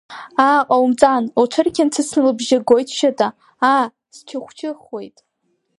Аа, ҟаумҵан, лҽырқьынцыцуа лбжьы гоит Шьыта, аа, счыхә-чыхәуеит…